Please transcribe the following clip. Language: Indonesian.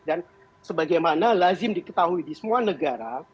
dan sebagaimana lazim diketahui di semua negara